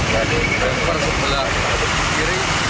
dari depan sebelah kiri